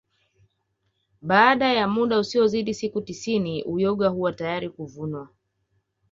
Baada ya muda usiozidi siku tisini uyoga huwa tayari kuvunwa